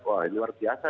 wah ini luar biasa